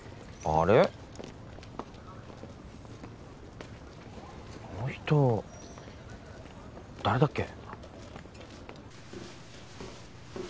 あの人誰だっけ？